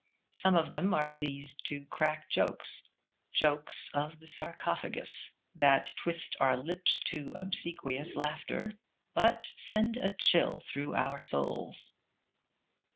Some of them are pleased to crack jokes; jokes of the sarcophagus, that twist our lips to obsequious laughter, but send a chill through our souls.